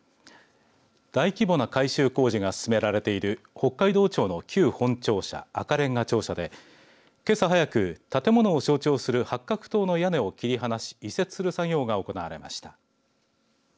大規模な改修工事が進められている北海道庁の旧本庁舎赤れんが庁舎でけさ早く、建物を象徴する八角塔の屋根を切り離し移設する作業が行われました。